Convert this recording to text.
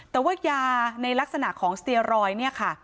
แต่ว่ายาในลักษณะของสเตียรอยด์เนี่ยค่ะ